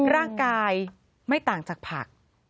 ร่างกายไม่ต่างจากผัก